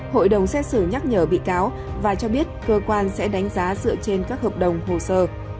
hội đồng xét xử nhắc nhở bị cáo và cho biết cơ quan sẽ đánh giá dựa trên các hợp đồng hồ sơ